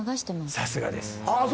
さすがです。